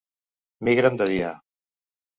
Migren de dia.